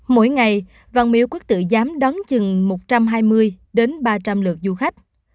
mỗi ngày văn miêu quốc tự dám đón chừng một trăm hai mươi đến ba trăm linh lượt du khách